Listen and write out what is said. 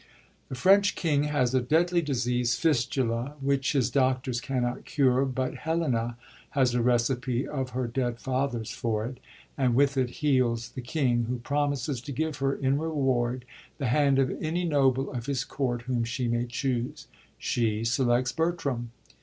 The French king has a deadly disease, fistula, which his doctors cannot cure ; but Helena has a recipe of her dead father's for it, and with it heals the king, who promises to give her, in reward, the hand of any noble of his Court whom she may choose. She selects Bertram.